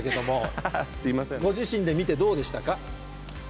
ご自身で見てどうでしたか。